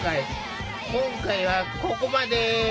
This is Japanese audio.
今回はここまで。